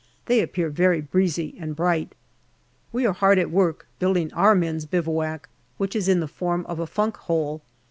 They appear very breezy and bright. We are hard at work building our men's bivouac, which is in the form of a funk hole.